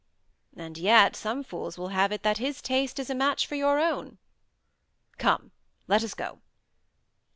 "And yet some fools will have it that his taste is a match for your own." "Come, let us go."